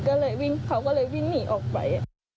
เขาก็เลยวิ่งหนีออกไป